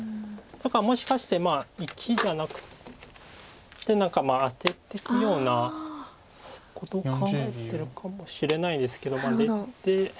だからもしかして生きじゃなくて何かアテていくようなことを考えてるかもしれないですけどまあ出て。